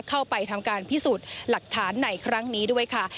เข้าไปทำการพิสูจน์หลักฐานในครั้งนี้ด้วยค่ะ